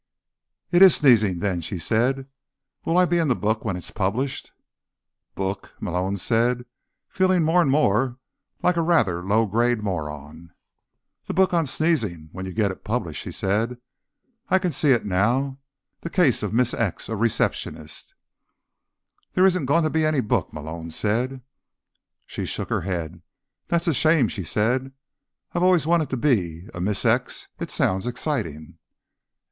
"It is sneezing, then," she said. "Will I be in the book when it's published?" "Book?" Malone said, feeling more and more like a rather low grade moron. "The book on sneezing, when you get it published," she said. "I can see it now: The Case of Miss X, a Receptionist." "There isn't going to be any book," Malone said. She shook her head. "That's a shame," she said. "I've always wanted to be a Miss X. It sounds exciting."